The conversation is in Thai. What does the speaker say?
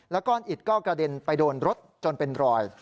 ก้อนอิดก็กระเด็นไปโดนรถจนเป็นรอย